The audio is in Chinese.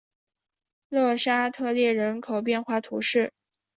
勒沙特列人口变化图示